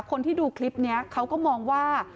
คนที่ดูคลิปนี้เขาก็มองว่า